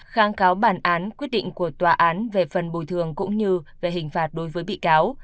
kháng cáo bản án quyết định của tòa án về phần bồi thường cũng như về hình phạt đối với bị cáo